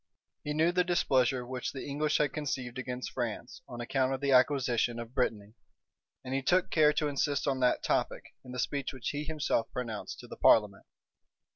He knew the displeasure which the English had conceived against France on account of the acquisition of Brittany; and he took care to insist on that topic, in the speech which he himself pronounced to the parliament.